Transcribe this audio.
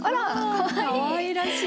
かわいらしい。